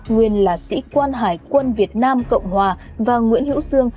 nguyên là sĩ quan hải quân việt nam cộng hòa và nguyễn hữu sương